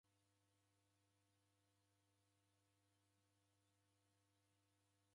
W'aghokelo ni iruw'a kuneng'ena.